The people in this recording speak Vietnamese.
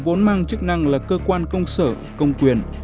vốn mang chức năng là cơ quan công sở công quyền